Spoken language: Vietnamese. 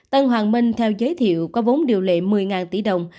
tân hoàng minh theo giới thiệu có vốn điều lệ một mươi tỷ đồng